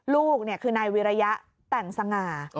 ลูกคือนายวิรยะแต่งสง่า